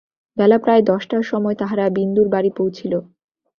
বেলা প্রায় দশটার সময় তাহারা বিন্দুর বাড়ি পৌছিল।